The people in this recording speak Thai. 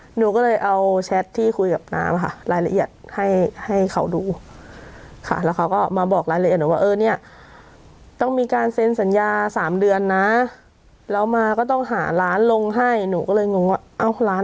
หนูก็เลยเอาแชทที่คุยกับน้างค่ะ